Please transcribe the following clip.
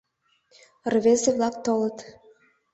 Рвезе-влак толыт.